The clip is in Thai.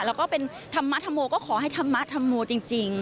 เราก็เป็นทำมาทำโมก็ขอให้ทำมาทำโมจริง